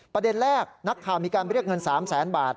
ประเด็นแรกนักข่าวมีการเรียกเงิน๓แสนบาท